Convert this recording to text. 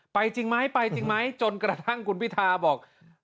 ไปจริงโมะไปจริงโมะจนกระทั่งขุนพิทาบอก